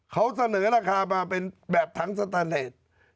เขาเสนอราคามาเป็นแบบถังสตาเนส